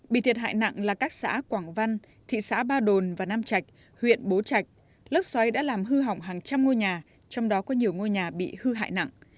bị thiệt hại nặng là các xã quảng văn thị xã ba đồn và nam trạch huyện bố trạch lốc xoáy đã làm hư hỏng hàng trăm ngôi nhà trong đó có nhiều ngôi nhà bị hư hại nặng